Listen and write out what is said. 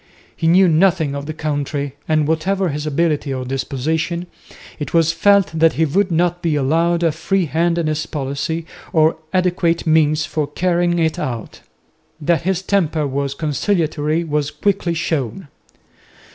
He knew nothing of the country, and whatever his ability or disposition it was felt that he would not be allowed a free hand in his policy or adequate means for carrying it out. That his temper was conciliatory was quickly shown.